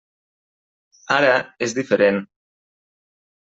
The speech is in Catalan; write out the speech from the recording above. Ara és diferent.